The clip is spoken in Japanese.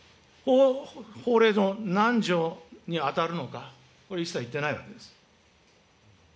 法令の何条に当たるのか、これ一切言ってないわけです。